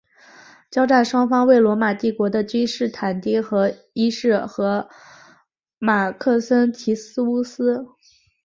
交战双方为罗马帝国的君士坦丁一世和马克森提乌斯。